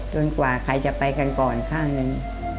จนกว่าใครจะไปกันก่อนข้างนั้น